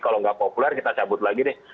kalau enggak populer kita cabut lagi nih